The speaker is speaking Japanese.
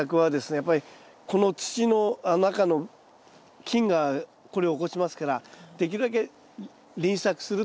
やっぱりこの土の中の菌がこれを起こしますからできるだけ輪作するということとかですね